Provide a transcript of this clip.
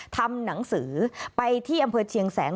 ทำหนังสือไปที่อำเภอเชียงแสน